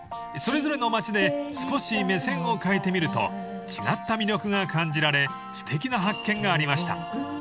［それぞれの街で少し目線を変えてみると違った魅力が感じられすてきな発見がありました］